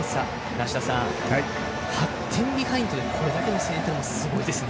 梨田さん、８点ビハインドでこれだけの声援はすごいですね。